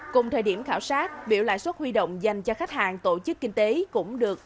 cùng thời điểm khảo sát biểu lãi suất huy động dành cho khách hàng tổ chức kinh tế cũng được